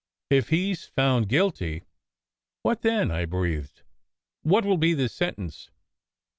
If he s found guilty " "What then?" I breathed. "What will be the sen tence?"